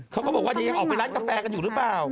เขาก็บอกว่ายังออกไปร้านกาแฟกันอยู่หรือเปล่า